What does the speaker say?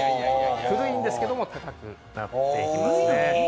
古いんですけれども高くなっておりますね。